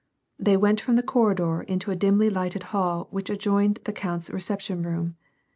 They went from the corridor into a dimly lighted hall which adjoined the count's reception room.